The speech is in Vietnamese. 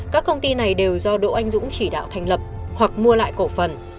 các công ty này đều do đỗ anh dũng chỉ đạo thành lập hoặc mua lại cổ phần